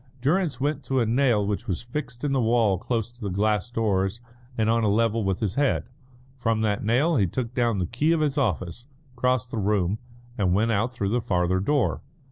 Durrance went to a nail which was fixed in the wall close to the glass doors and on a level with his head. From that nail he took down the key of his office, crossed the room, and went out through the farther door.